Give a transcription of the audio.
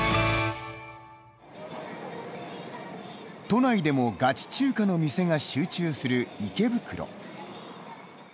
都内でもガチ中華の店が集中する池袋。